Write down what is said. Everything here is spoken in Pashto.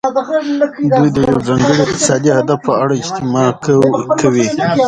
دوی د یو ځانګړي اقتصادي هدف په اړه اجماع کوي